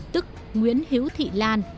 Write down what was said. tức nguyễn hiếu thị lan